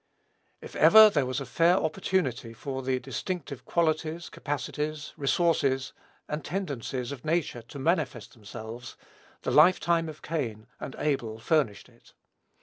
If ever there was a fair opportunity for the distinctive qualities, capacities, resources, and tendencies of nature to manifest themselves, the lifetime of Cain and Abel furnished it.